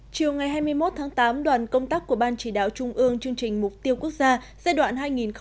chiều ngày hai mươi một tháng tám đoàn công tác của ban chỉ đạo trung ương chương trình mục tiêu quốc gia giai đoạn hai nghìn một mươi sáu hai nghìn hai mươi